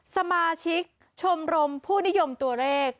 สมาชิกชมรมผู้นิยมตัวเลข